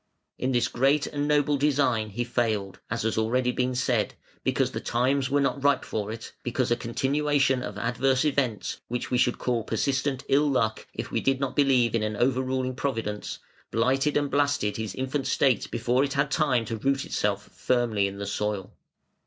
In this great and noble design he failed, as has been already said, because the times were not ripe for it, because a continuation of adverse events, which we should call persistent ill luck if we did not believe in an overruling Providence, blighted and blasted his infant state before it had time to root itself firmly in the soil.